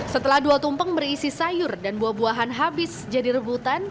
setelah dua tumpeng berisi sayur dan buah buahan habis jadi rebutan